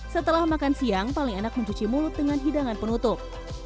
setelah makan siang paling enak mencuci mulut dengan hidangan penutup